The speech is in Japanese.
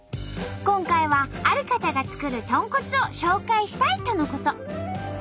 今回はある方が作る「とんこつ」を紹介したいとのこと。